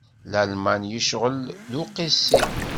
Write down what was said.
Lalman yecɣel d uqisi.